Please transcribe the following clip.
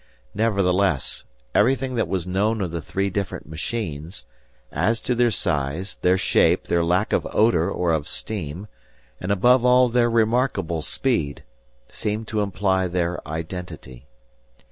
Nevertheless, everything that was known of the three different machines, as to their size, their shape, their lack of odor or of steam, and above all their remarkable speed, seemed to imply their identity.